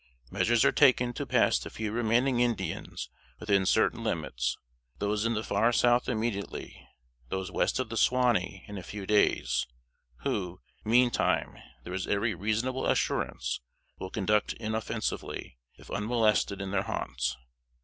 Measures are taken to pass the few remaining Indians within certain limits those in the far south immediately; those west of the Suwanee in a few days, who, meantime, there is every reasonable assurance, will conduct inoffensively if unmolested in their haunts.